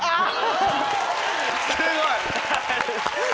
すごい！